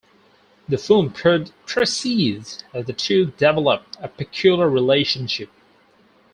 The film proceeds as the two develop a peculiar relationship.